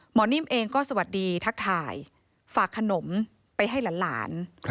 นิ่มเองก็สวัสดีทักทายฝากขนมไปให้หลาน